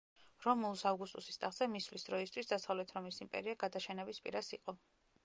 რომულუს ავგუსტუსის ტახტზე მისვლის დროისთვის დასავლეთ რომის იმპერია გადაშენების პირას იყო.